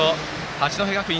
八戸学院